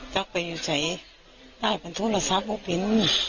จากไปอยู่ใส่ได้เป็นโทรศัพท์บุคลิน